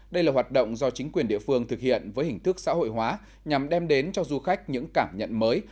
đây là hoạt động do chính quyền địa phương thực hiện với hình thức xã hội hóa nhằm đem đến cho du khách những cảm nhận mới